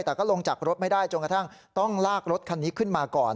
แต่ก็ลงจากรถไม่ได้จนกระทั่งต้องลากรถคันนี้ขึ้นมาก่อน